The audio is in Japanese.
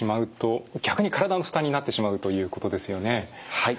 はい。